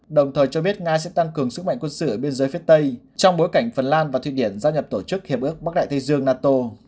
đồng thời cho biết nga sẽ tăng cường sức mạnh quân sự ở biên giới phía tây trong bối cảnh phần lan và thụy điển gia nhập tổ chức hiệp ước bắc đại tây dương nato